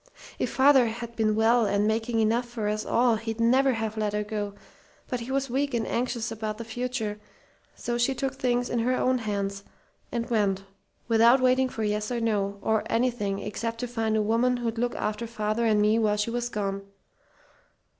"If father'd been well and making enough for us all he'd never have let her go, but he was weak and anxious about the future, so she took things into her own hands and went, without waiting for yes or no, or anything except to find a woman who'd look after father and me while she was gone.